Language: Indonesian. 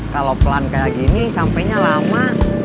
kalau pelan kayak gini sampainya lama